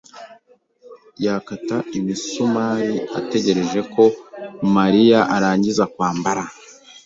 yakata imisumari ategereje ko Mariya arangiza kwambara.